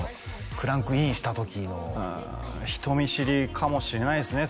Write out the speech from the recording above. クランクインした時の人見知りかもしれないですね